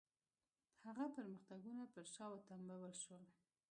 هغه پرمختګونه پر شا وتمبول شول.